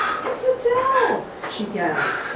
"It's Adelle!" she gasped.